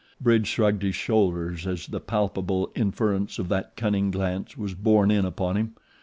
Bridge shrugged his shoulders as the palpable inference of that cunning glance was borne in upon him.